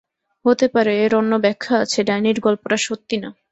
হতে পারে, এর অন্য ব্যাখ্যা আছে, ডাইনির গল্প টা সত্যি না।